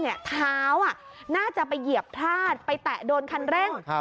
เท้าน่าจะไปเหยียบพลาดไปแตะโดนคันเร่ง